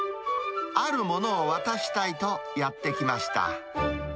あるものを渡したいと、やって来ました。